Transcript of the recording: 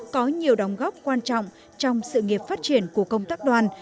có nhiều đóng góp quan trọng trong sự nghiệp phát triển của công tác đoàn